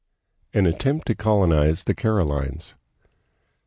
An Attempt to Colonize the Carolines.